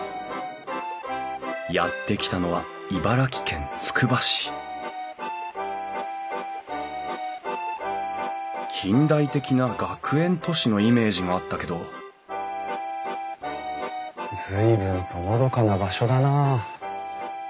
やって来たのは茨城県つくば市近代的な学園都市のイメージがあったけど随分とのどかな場所だなあ。